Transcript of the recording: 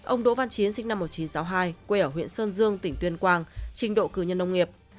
ông đỗ văn chiến sinh năm một nghìn chín trăm sáu mươi hai quê ở huyện sơn dương tỉnh tuyên quang trình độ cử nhân nông nghiệp